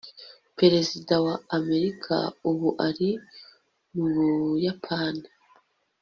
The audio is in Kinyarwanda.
perezida wa amerika ubu ari mu buyapani